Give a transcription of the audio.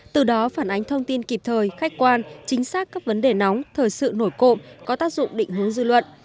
từ đó phản ánh thông tin kịp thời khách quan chính xác các vấn đề nóng thời sự nổi cộng có tác dụng định hướng dư luận